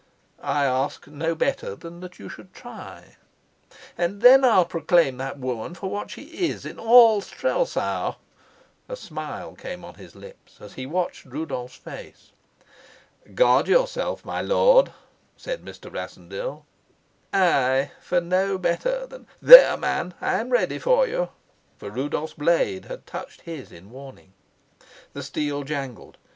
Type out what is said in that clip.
"I ask no better than that you should try." "And then I'll proclaim that woman for what she is in all Strelsau." A smile came on his lips as he watched Rudolf's face. "Guard yourself, my lord," said Mr. Rassendyll. "Ay, for no better than There, man, I'm ready for you." For Rudolf's blade had touched his in warning. The steel jangled.